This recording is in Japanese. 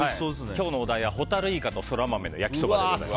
今日のお題はホタルイカとソラマメの焼きそばです。